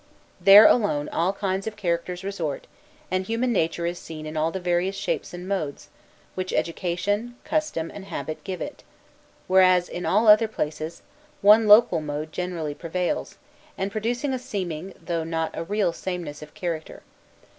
There alone all kinds of characters resort, and human nature is seen in all the various shapes and modes, which education, custom, and habit give it; whereas, in all other places, one local mode generally prevails, and producing a seeming though not a real sameness of character.